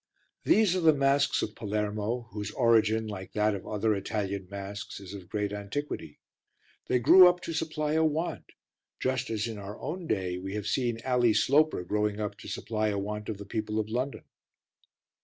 These are the masks of Palermo, whose origin, like that of other Italian masks, is of great antiquity. They grew up to supply a want just as in our own day we have seen Ally Sloper growing up to supply a want of the people of London.